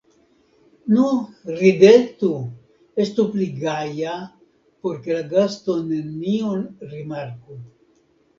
Nu, ridetu, estu pli gaja, por ke la gasto nenion rimarku!